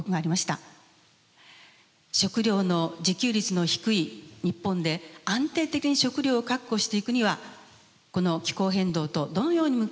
食料の自給率の低い日本で安定的に食料を確保していくにはこの気候変動とどのように向き合っていったらよいのでしょうか。